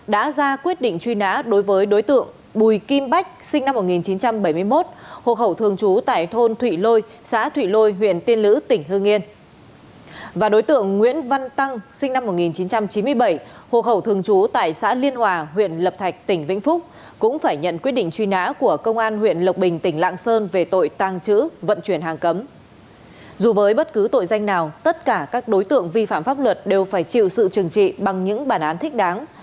dù với bất cứ tội danh nào tất cả các đối tượng vi phạm pháp luật đều phải chịu sự trừng trị bằng những bản án thích đáng